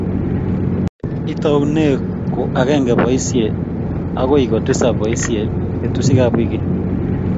itounen ku agenge boisie agoi ko tisap boisie betusiekab wikit